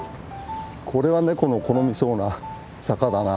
これはネコの好みそうな坂だな。